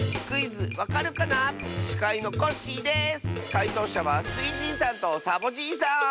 かいとうしゃはスイじいさんとサボじいさん！